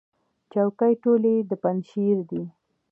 چوکۍ ټولې د پنجشیر دي.